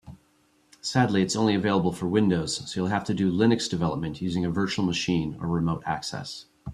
Sadly, it's only available for Windows, so you'll have to do Linux development using a virtual machine or remote access.